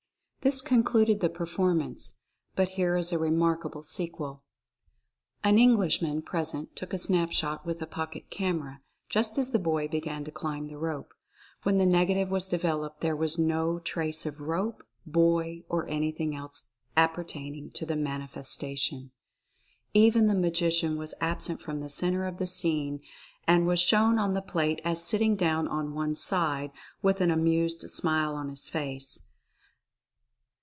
This concluded the performance. But here is a re markable sequel. An Englishman present took a snap 160 Mental Fascination shot with a pocket camera, just as the boy began to climb the rope. When the negative was developed there was no trace of rope, boy or anything else ap pertaining to the manifestation. Even the Magician was absent from the center of the scene and was shown on the plate as sitting down on one side, with an amused smile on his face.